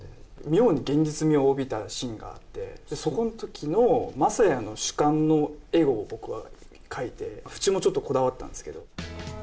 妙に現実味を帯びたシーンがあって、そこのときの雅也の主観の絵を僕は描いて、縁もちょっとこだわったんですけど。